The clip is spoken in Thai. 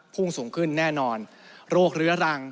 พุ่งสูงขึ้นแน่นอน